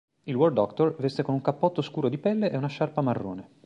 Il War Doctor veste con un cappotto scuro di pelle e una sciarpa marrone.